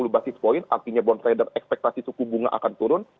satu ratus dua puluh basis point artinya bond trader ekspektasi suku bunga akan turun